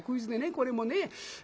これもね。